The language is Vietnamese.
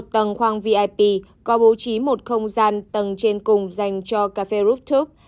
một tầng khoang vip có bố trí một không gian tầng trên cùng dành cho cafe rooftop